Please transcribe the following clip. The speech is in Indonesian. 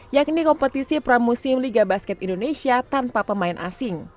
yang dikompetisi pramusim liga basket indonesia tanpa pemain asing